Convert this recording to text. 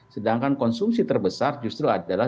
sedangkan konsumsi terbesar justru adalah